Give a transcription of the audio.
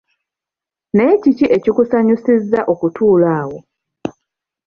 Naye kiki ekikusanyusiza okutuula awo?